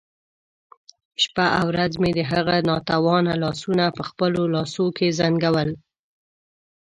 شپه او ورځ مې د هغه ناتوانه لاسونه په خپلو لاسو کې زنګول.